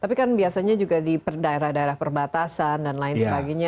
tapi kan biasanya juga di daerah daerah perbatasan dan lain sebagainya